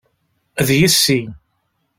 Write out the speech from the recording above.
D yessi!